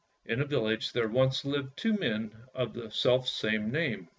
— IN a village there once lived two men of the self same name.